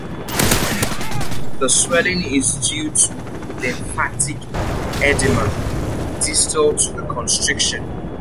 The swelling is due to lymphatic edema distal to the constriction.